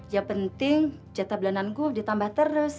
yang penting jatah belananku ditambah terus